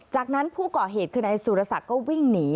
จากนั้นผู้ก่อเหตุคือนายสุรศักดิ์ก็วิ่งหนี